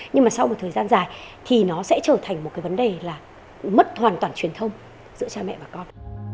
nhưng mà sau một thời gian dài thì nó sẽ trở thành một cái vấn đề là mất hoàn toàn truyền thông giữa cha mẹ và con